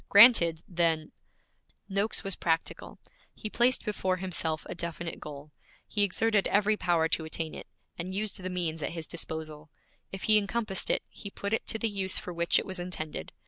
Granted then ' Noakes was practical. He placed before himself a definite goal. He exerted every power to attain it, and used the means at his disposal. If he encompassed it, he put it to the use for which it was intended.